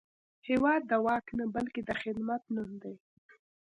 هېواد د واک نه، بلکې د خدمت نوم دی.